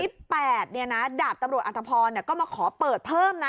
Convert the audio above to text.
๘เนี่ยนะดาบตำรวจอัตภพรก็มาขอเปิดเพิ่มนะ